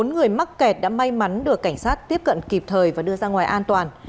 bốn người mắc kẹt đã may mắn được cảnh sát tiếp cận kịp thời và đưa ra ngoài an toàn